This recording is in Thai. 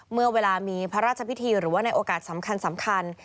เมื่อเวลามีพระราชพิธีหรือว่าในโอกาสสำคัญ